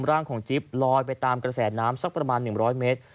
ร่างของจิ๊บลอยไปตามกระแสน้ำสักประมาณ๑๐๐เมตร